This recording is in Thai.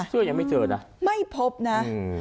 เสื้อยังไม่เจอนะไม่พบนะ